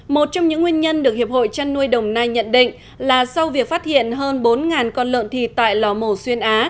một trong những nguyên nhân được hiệp hội chăn nuôi đồng nai nhận định là sau việc phát hiện hơn bốn con lợn thịt tại lò mổ xuyên á